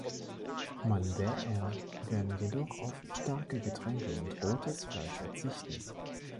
Mandäer werden jedoch auf starke Getränke und rotes Fleisch verzichten